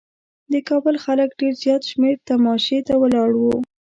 د کابل خلک ډېر زیات شمېر تماشې ته ولاړ وو.